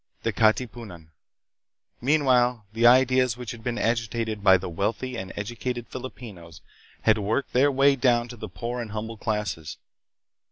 The Katipunan. Meanwhile the ideas which had been agitated by the wealthy and educated Filipinos had worked their way down to the poor and humble classes.